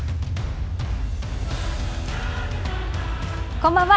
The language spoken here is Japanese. こんばんは。